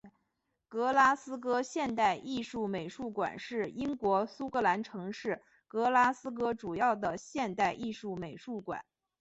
格拉斯哥现代艺术美术馆是英国苏格兰城市格拉斯哥主要的现代艺术美术馆。